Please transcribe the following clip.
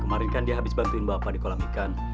kemarin kan dia habis bantuin bapak di kolam ikan